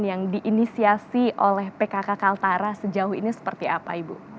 yang diinisiasi oleh pkk kaltara sejauh ini seperti apa ibu